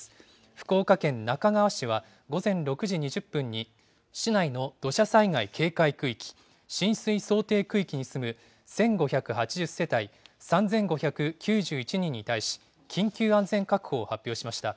福岡県那珂川市は、午前６時２０分に市内の土砂災害警戒区域、浸水想定区域に住む１５８０世帯３５９１人に対し、緊急安全確保を発表しました。